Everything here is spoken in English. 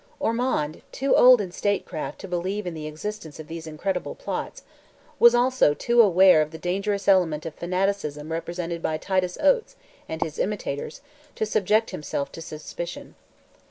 Ormond, too old in statecraft to believe in the existence of these incredible plots, was also too well aware of the dangerous element of fanaticism represented by Titus Oates, and his imitators, to subject himself to suspicion.